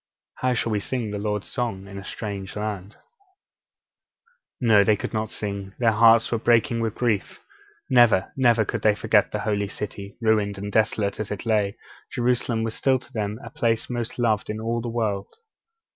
How shall we sing the Lord's song in a strange land?' (Verse 4.) No, they could not sing; their hearts were breaking with grief. Never, never could they forget the Holy City. Ruined, desolate as it lay, Jerusalem was still to them the place most loved in all the world.